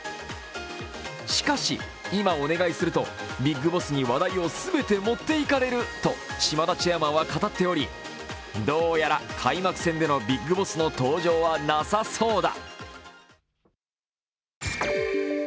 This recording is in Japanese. しかし、今お願いするとビッグボスに話題を全て持っていかれると島田チェアマンは語っており、どうやら開幕戦でのビッグボスの登場はなさそうだ。